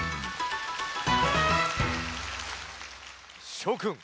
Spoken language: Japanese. しょくん